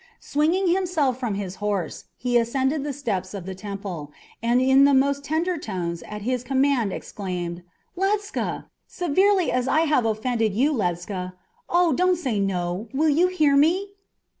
Swinging himself from his horse, he ascended the steps of the temple, and in the most tender tones at his command exclaimed: "Ledscha! Severely as I have offended you, Ledscha oh, do not say no! Will you hear me?"